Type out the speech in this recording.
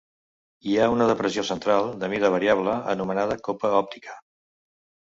Hi ha una depressió central, de mida variable, anomenada copa òptica.